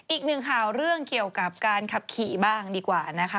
อีกหนึ่งข่าวเรื่องเกี่ยวกับการขับขี่บ้างดีกว่านะคะ